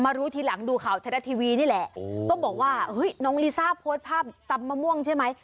รู้ทีหลังดูข่าวไทยรัฐทีวีนี่แหละก็บอกว่าน้องลิซ่าโพสต์ภาพตำมะม่วงใช่ไหม